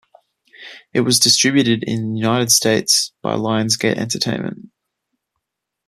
It was distributed in the United States by Lions Gate Entertainment.